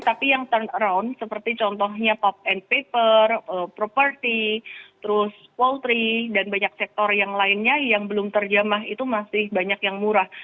tapi yang turn around seperti contohnya pop and paper property terus polri dan banyak sektor yang lainnya yang belum terjamah itu masih banyak yang murah